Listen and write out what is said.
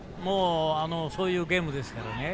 そういうゲームですからね。